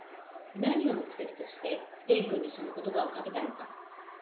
何を目的としてＡ君にその言葉をかけたのか？